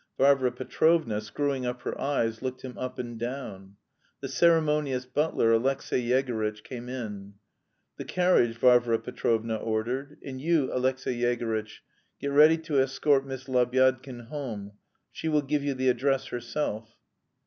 Varvara Petrovna, screwing up her eyes, looked him up and down. The ceremonious butler Alexey Yegorytch came in. "The carriage," Varvara Petrovna ordered. "And you, Alexey Yegorytch, get ready to escort Miss Lebyadkin home; she will give you the address herself."